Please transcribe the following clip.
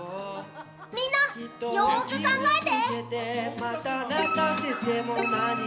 みんなよーく考えて。